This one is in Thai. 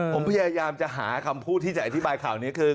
ผมพยายามจะหาคำพูดที่จะอธิบายข่าวนี้คือ